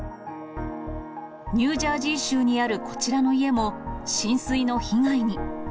ニュージャージー州にあるこちらの家も、浸水の被害に。